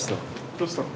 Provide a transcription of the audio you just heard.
どうしたの？